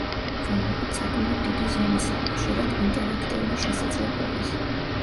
რომლებიც საკმაოდ დიდი ზომისაა, ხშირად ინტერაქტიული შესაძლებლობის.